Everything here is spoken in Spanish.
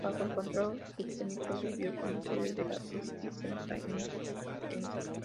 Bajo el control británico, sirvió como sede de la British Central India Agency.